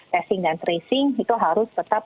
testing dan tracing itu harus tetap